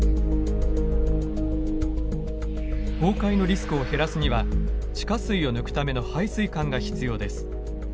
崩壊のリスクを減らすには地下水を抜くための排水管が必要です。